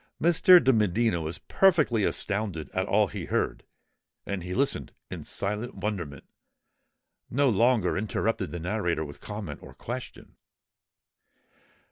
Mr. de Medina was perfectly astounded at all he heard; and he listened in silent wonderment—no longer interrupting the narrator with comment or question.